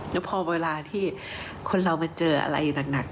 แล้วพอเวลาที่คนเรามาเจออะไรหนัก